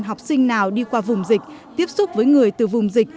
học sinh nào đi qua vùng dịch tiếp xúc với người từ vùng dịch